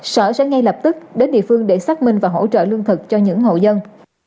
sở sẽ ngay lập tức đến địa phương để xác minh và hỗ trợ lương thực cho những hộ dân